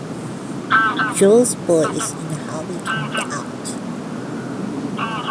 Jo's Boys and How They Turned Out.